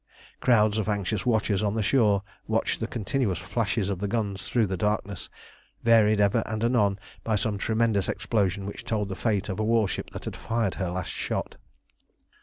Crowds of anxious watchers on the shore watched the continuous flashes of the guns through the darkness, varied ever and anon by some tremendous explosion which told the fate of a warship that had fired her last shot.